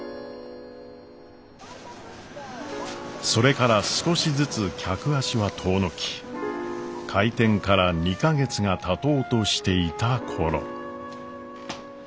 それから少しずつ客足は遠のき開店から２か月がたとうとしていた頃。